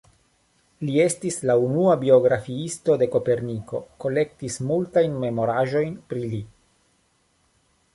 Li estis la unua biografiisto de Koperniko, kolektis multajn memoraĵojn pri li.